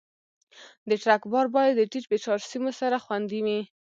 د ټرک بار باید د ټیټ فشار سیمو سره خوندي وي.